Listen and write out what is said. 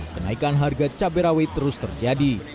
kenaikan harga cabai rawit terus terjadi